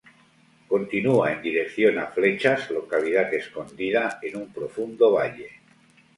Continúa en dirección a Flechas, localidad escondida en un profundo valle.